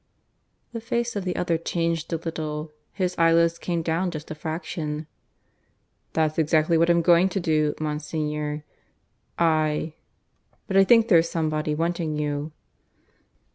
The face of the other changed a little; his eyelids came down just a fraction. "That's exactly what I'm going to do, Monsignor I but I think there's somebody wanting you."